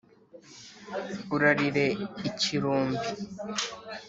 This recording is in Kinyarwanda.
urarire ikirumbi,